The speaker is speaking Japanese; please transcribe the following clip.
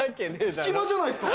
隙間じゃないっすか。